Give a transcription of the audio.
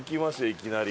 いきなり。